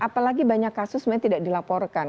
apalagi banyak kasus sebenarnya tidak dilaporkan